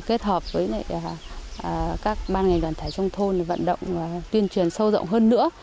kết hợp với các ban nghề đoàn thải trong thôn vận động tuyên truyền sâu rộng hơn nữa